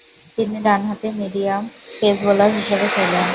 তিনি ডানহাতি medium pace bowler হিসাবে খেলেন।